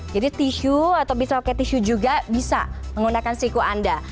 jadi tisu atau bisa pakai tisu juga bisa menggunakan siku anda